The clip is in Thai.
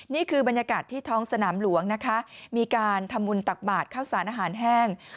นี่คือบรรยากาศที่ท้องสนามหลวงนะคะ